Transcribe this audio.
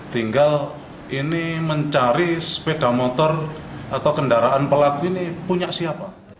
tinggal ini mencari sepeda motor atau kendaraan pelat ini punya siapa